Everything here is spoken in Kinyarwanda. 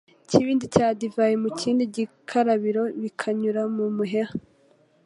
ikibindi cya divayi mu kindi gikarabiro bikanyura mu muheha